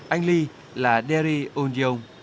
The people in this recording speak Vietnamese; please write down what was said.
anh lee là derry ohn yong